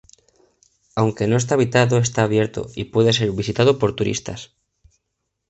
Aunque no está habitado, está abierto y puede ser visitado por turistas.